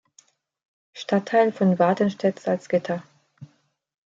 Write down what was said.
Stadtteil von Watenstedt-Salzgitter.